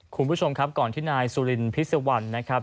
คุณผู้ชมครับก่อนที่นายสุรินพิษวรรณนะครับ